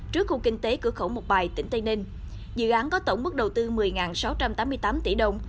trước khu kinh tế cửa khẩu một bài tp hcm dự án có tổng mức đầu tư một mươi sáu trăm tám mươi tám tỷ đồng